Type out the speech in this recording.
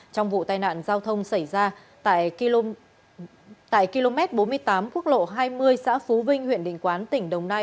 trong vụ tai nạn giao thông xảy ra tại km bốn mươi tám quốc lộ hai mươi xã phú vinh huyện đình quán tỉnh đồng nai